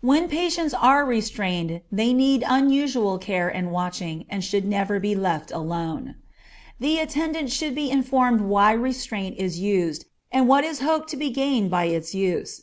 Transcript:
When patients are restrained they need unusual care and watching, and should never be left alone. The attendant should be informed why restraint is used, and what is hoped to be gained by its use.